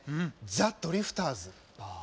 ザ・ドリフターズ。